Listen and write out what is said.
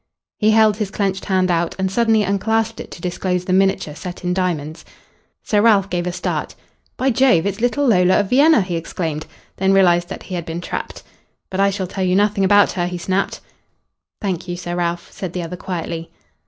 He held his clenched hand out, and suddenly unclasped it to disclose the miniature set in diamonds. Sir Ralph gave a start. "By Jove, it's little Lola of Vienna!" he exclaimed. Then realised that he had been trapped. "But I shall tell you nothing about her," he snapped. "Thank you, Sir Ralph," said the other quietly.